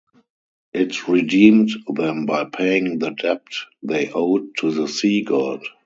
It redeemed them by paying the debt they owed to the sea-god.